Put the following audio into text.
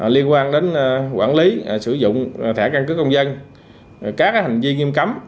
liên quan đến quản lý sử dụng thẻ căn cước công dân các hành vi nghiêm cấm